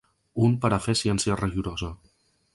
Un per a fer ciència rigorosa.